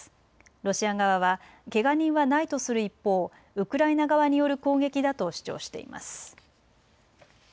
ロシア側はけが人はないとする一方、ウクライナ側による攻撃だと主張しています。